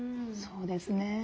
そうですね。